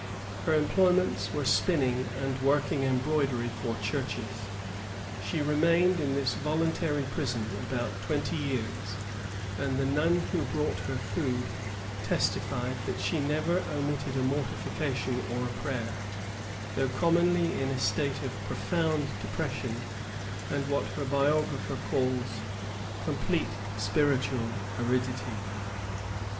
Her employments were spinning and working embroidery for churches. She remained in this voluntary prison about twenty years; and the nun who brought her food testifies that she never omitted a mortification or a prayer, though commonly in a state of profound depression, and what her biographer calls "complete spiritual aridity."